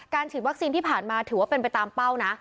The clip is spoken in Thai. ฉีดวัคซีนที่ผ่านมาถือว่าเป็นไปตามเป้านะ